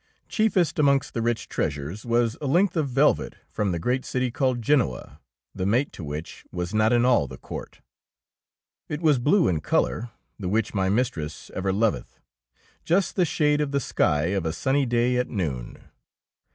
Chiefest amongst the rich treasures was a length of velvet from the great city called Genoa, the mate to which was not in all the court. It was blue in col our, the which my mistress ever loveth, — just the shade of the sky of a sunny day at noon.